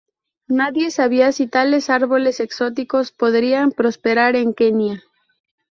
Nadie sabía si tales árboles exóticos podrían prosperar en Kenia.